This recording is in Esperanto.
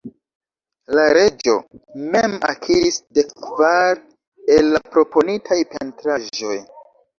La reĝo mem akiris dekkvar el la proponitaj pentraĵoj.